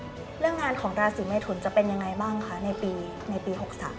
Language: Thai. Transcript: เรื่องงานของราศีเมทุนจะเป็นยังไงบ้างคะในปี๖๓